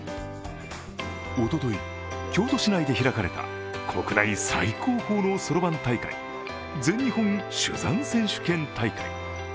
おととい、京都市内で開かれた国内最高峰のそろばん大会全日本珠算選手権大会。